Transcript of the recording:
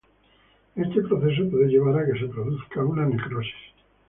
Este proceso puede llevar a que se produzca una necrosis.